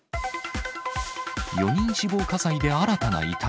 ４人死亡火災で新たな遺体。